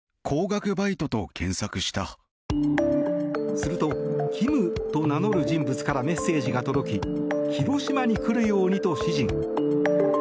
するとキムと名乗る人物からメッセージが届き広島に来るようにと指示が。